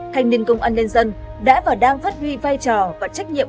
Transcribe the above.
thanh niên công an nhân dân đã và đang phát huy vai trò và trách nhiệm